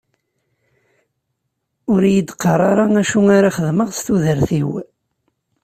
Ur yi-d-qqar ara acu ara xedmeɣ s tudert-iw.